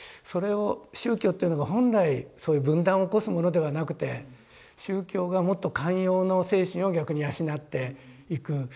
それを宗教っていうのが本来そういう分断を起こすものではなくて宗教がもっと寛容の精神を逆に養っていく。